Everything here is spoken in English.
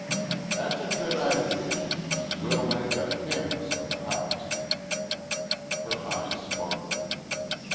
"That's a good idea. We'll make a canvass of the house." Her eyes sparkled.